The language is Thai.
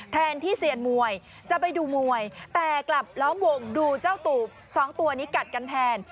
แทนที่เซียนมวยจะไปดูมวยแต่กลับล้อมวงดูเจ้าตูบสองตัวนี้กัดกันแทน